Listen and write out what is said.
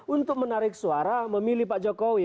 untuk menarik suara memilih pak jokowi